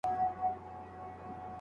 لا یې نه وه وزرونه غوړولي